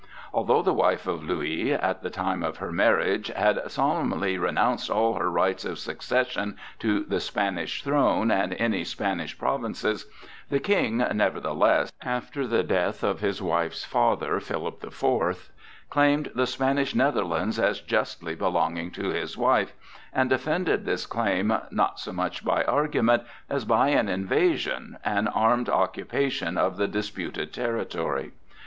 Although the wife of Louis, at the time of her marriage, had solemnly renounced all her rights of succession to the Spanish throne and any Spanish provinces, the King nevertheless after the death of his wife's father, Philip the Fourth, claimed the Spanish Netherlands as justly belonging to his wife, and defended this claim not so much by argument as by an invasion and armed occupation of the disputed territory.